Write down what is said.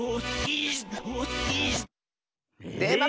⁉でま